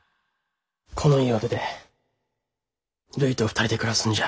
この家を出てるいと２人で暮らすんじゃ。